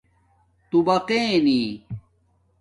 تُوباقݵنی